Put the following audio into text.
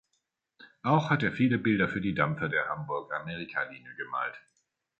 Auch hat er viele Bilder für die Dampfer der Hamburg-Amerika-Linie gemalt.